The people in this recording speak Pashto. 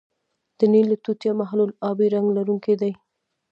د نیل توتیا محلول آبی رنګ لرونکی دی.